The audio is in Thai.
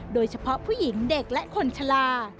โดยเฉพาะผู้หญิงเด็กและคนชะลา